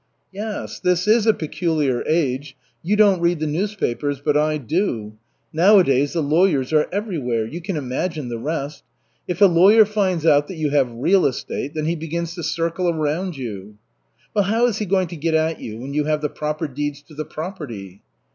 "Yes, this is a peculiar age. You don't read the newspapers, but I do. Nowadays the lawyers are everywhere you can imagine the rest. If a lawyer finds out that you have real estate, then he begins to circle around you." "Well, how is he going to get at you when you have the proper deeds to the property?"